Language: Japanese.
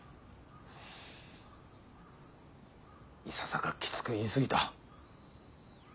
いささかきつく言い過ぎた。